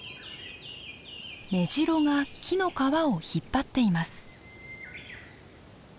メジロが木の皮を引っ張っています。